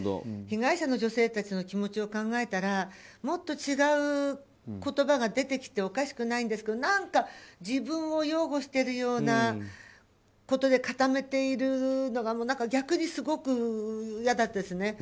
被害者の女性たちの気持ちを考えたらもっと違う言葉が出てきておかしくないんですけど何か自分を擁護してるようなことで固めているのが逆にすごく嫌だったです。